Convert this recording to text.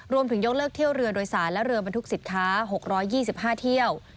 ยกเลิกเที่ยวเรือโดยสารและเรือบรรทุกสินค้า๖๒๕เที่ยว